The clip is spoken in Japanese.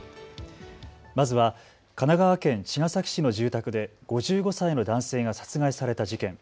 まずは神奈川県茅ヶ崎市の住宅で５５歳の男性が殺害された事件。